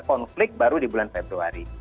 konflik baru di bulan februari